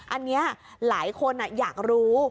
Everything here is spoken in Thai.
อันนี้หลายคนอยากรู้